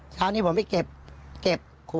สะสะวันนี้ผมไปเก็บหล่วขาว